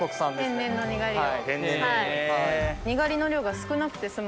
天然のにがりを。